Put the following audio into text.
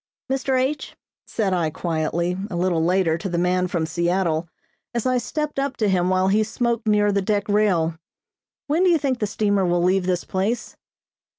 "Mr. H ," said I quietly, a little later, to the man from Seattle, as I stepped up to him while he smoked near the deck rail. "When do you think the steamer will leave this place?"